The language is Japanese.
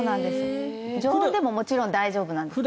常温でももちろん大丈夫なんです。